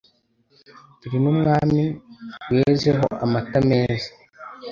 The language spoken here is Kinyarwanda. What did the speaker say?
Turi n' Umwami wezeho amata meza